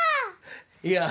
いや。